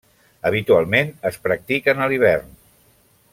Habitualment es practiquen a l'hivern.